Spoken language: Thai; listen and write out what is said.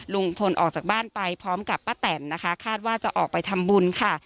ลุงพลออกจากบ้านไปพร้อมกับป้าแตนนะคะคาดว่าจะออกไปทำบุญค่ะ